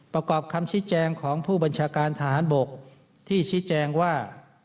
ประกอบคำชี้แจงของผู้บัญชาการทหารบกที่ชี้แจงว่า